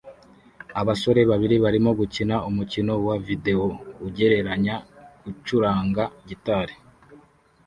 Abasore babiri barimo gukina umukino wa videwo ugereranya gucuranga gitari